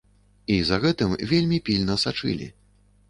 І за гэтым вельмі пільна сачылі.